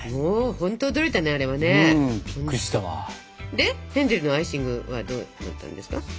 でヘンゼルのアイシングはどうなったんですか？